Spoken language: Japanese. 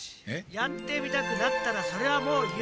やってみたくなったらそれはもう夢。